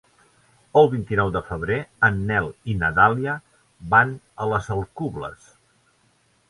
El vint-i-nou de febrer en Nel i na Dàlia van a les Alcubles.